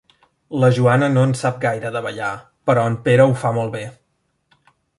La Joana no en sap gaire de ballar, però en Pere ho fa molt bé.